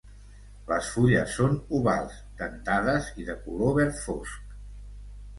Les fulles són ovals, dentades i de color verd fosc.